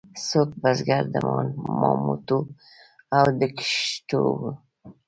څوک بزګر د مامتو او د کښتو وو.